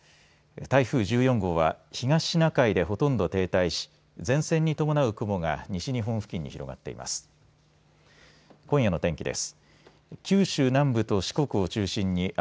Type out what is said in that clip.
台風１４号は東シナ海でほとんど停滞し、前線に伴う雲が西日本付近に広がっています。